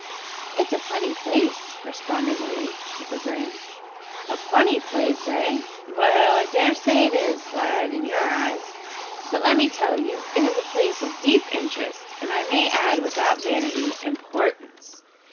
"It's a funny place," responded Willie, with a grin. "A funny place eh? Well, I daresay it is, lad, in your eyes; but let me tell you, it is a place of deep interest, and, I may add without vanity, importance.